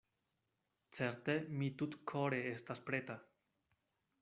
Certe mi tutkore estas preta.